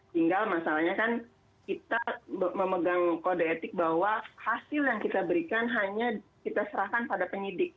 tinggal masalahnya kan kita memegang kode etik bahwa hasil yang kita berikan hanya kita serahkan pada penyidik